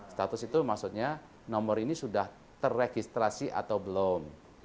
status itu maksudnya nomor ini sudah terregistrasi atau belum